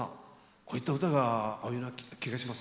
こういった歌が合うような気がします。